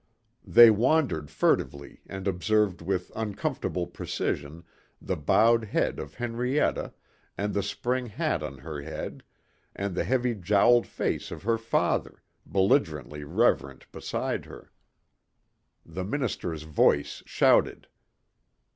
They wandered furtively and observed with uncomfortable precision the bowed head of Henrietta and the spring hat on her head and the heavy jowled face of her father, belligerently reverent beside her. The minister's voice shouted.